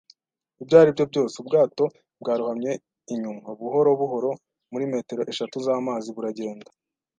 Ibyo ari byo byose, ubwato bwarohamye inyuma, buhoro buhoro, muri metero eshatu z'amazi, buragenda